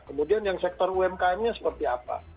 kemudian yang sektor umkmnya seperti apa